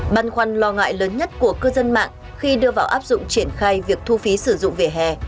băn khoăn lo ngại lớn nhất của cư dân mạng khi đưa vào áp dụng triển khai việc thu phí sử dụng vỉa hè